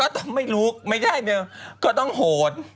ก็ไม่รู้ไม่ใช่ก็ต้องโหด